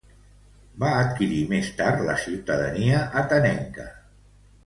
Va adquirir més tard la ciutadania atenenca.